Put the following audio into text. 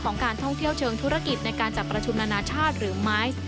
การท่องเที่ยวเชิงธุรกิจในการจัดประชุมนานาชาติหรือไม้